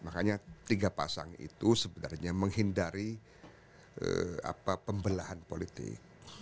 makanya tiga pasang itu sebenarnya menghindari pembelahan politik